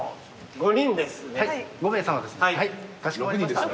５人ですね。